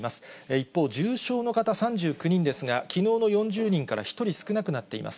一方、重症の方３９人ですが、きのうの４０人から１人少なくなっています。